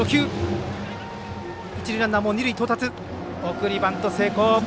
送りバント成功。